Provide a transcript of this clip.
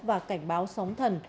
và cảnh báo sóng thần